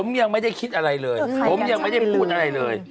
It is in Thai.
ผมยังไม่ได้คิดอะไรเลยผมยังไม่ได้พูดอะไรเลย